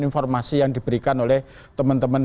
informasi yang diberikan oleh temen temen